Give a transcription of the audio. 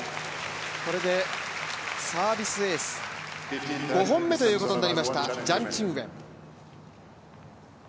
これでサービスエース、５本目となりましたジャン・チンウェン。